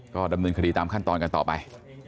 ก็ดำเนินคดีตามขั้นตอนกันต่อไป